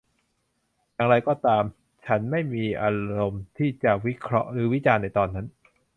อย่างไรก็ตาม ฉันไม่มีอารมณ์ที่จะวิเคราะห์หรือวิจารณ์ในตอนนั้น